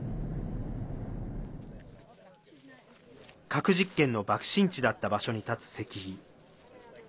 核実験の爆心地だった場所に立つ石碑。